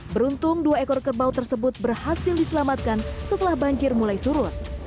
beruntung dua ekor kerbau tersebut berhasil diselamatkan setelah banjir mulai surut